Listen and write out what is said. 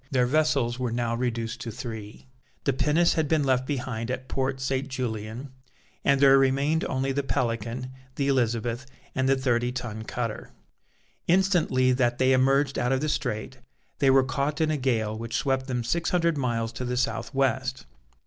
Their vessels were now reduced to three; the pinnace had been left behind at Port St. Julian, and there remained only the Pelican, the Elizabeth, and the thirty ton cutter. Instantly that they emerged out of the Strait, they were caught in a gale which swept them six hundred miles to the south west.